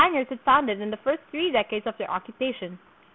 iards had founded in the first three decades of their oc cupation.